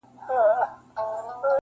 خو اصلي درد نه ختمېږي تل,